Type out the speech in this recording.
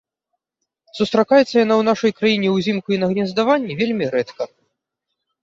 Сустракаецца яна ў нашай краіне ўзімку і на гнездаванні вельмі рэдка.